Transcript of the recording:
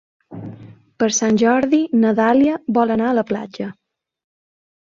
Per Sant Jordi na Dàlia vol anar a la platja.